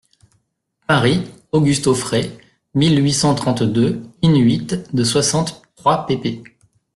Paris, Auguste Auffray, mille huit cent trente-deux, in-huit de soixante-trois pp.